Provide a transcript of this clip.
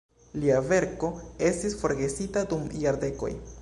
Lia verko estis forgesita dum jardekoj.